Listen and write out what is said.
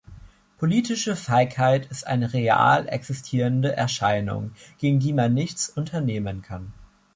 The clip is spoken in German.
Politische Feigheit ist eine real existierende Erscheinung, gegen die man nichts unternehmen kann.